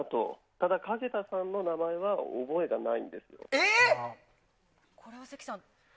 ただ、かげたさんの名前は覚えがないんですよ。